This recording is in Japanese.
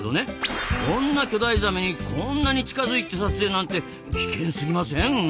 こんな巨大ザメにこんなに近づいて撮影なんて危険すぎません？